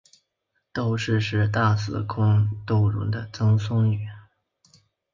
窦氏是大司空窦融的曾孙女。